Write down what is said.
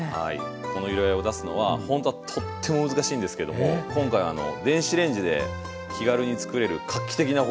この色合いを出すのはほんとはとっても難しいんですけども今回電子レンジで気軽に作れる画期的な方法を発明してまいりました。